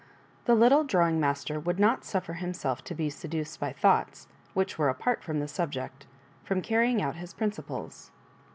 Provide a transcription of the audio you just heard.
The little drawing master would not suffer himself to be seduced by thoughts which were apart from the subject from carrying out his principles.